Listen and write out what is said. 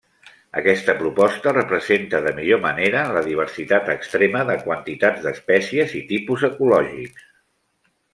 Aquesta proposta representa de millor manera la diversitat extrema de quantitats d'espècies i tipus ecològics.